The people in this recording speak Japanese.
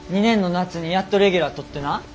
２年の夏にやっとレギュラーとってな。